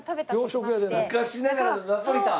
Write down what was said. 昔ながらのナポリタン。